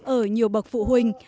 ở nhiều bậc phụ huynh